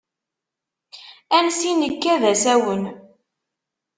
Ansi nekka d asawen.